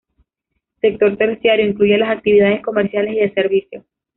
Sector terciario: incluye las actividades comerciales y de servicio.